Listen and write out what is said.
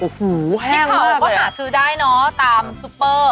โอ้โหแห้งมากเลยอะพริกขาวก็หาซื้อได้เนอะตามซุปเปอร์